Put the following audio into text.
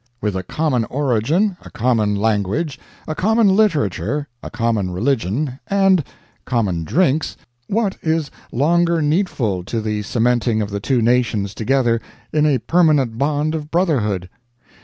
With a common origin, a common language, a common literature, a common religion and common drinks, what is longer needful to the cementing of the two nations together in a permanent bond of brotherhood?